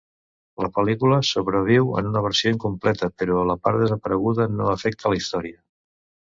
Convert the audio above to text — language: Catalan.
La pel·lícula sobreviu en una versió incompleta, però la part desapareguda no afecta la història.